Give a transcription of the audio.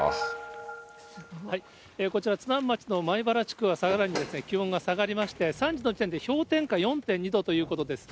こちら、津南町のまえばら地区は、さらに気温が下がりまして、３時の時点で氷点下２度ということです。